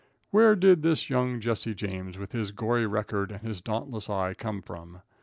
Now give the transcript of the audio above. Where did this young Jesse James, with his gory record and his dauntless eye, come from?